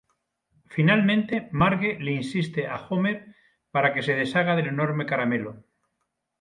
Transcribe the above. Finalmente, Marge le insiste a Homer para que se deshaga del enorme caramelo.